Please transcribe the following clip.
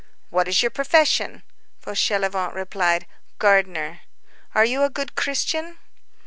"What is your profession?" Fauchelevent replied:— "Gardener." "Are you a good Christian?"